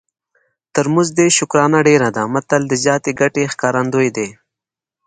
تر مزد یې شکرانه ډېره ده متل د زیاتې ګټې ښکارندوی دی